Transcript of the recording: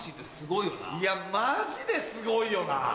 いやマジですごいよな。